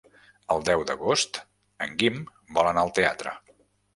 El deu d'agost en Guim vol anar al teatre.